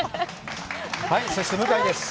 そして向井です。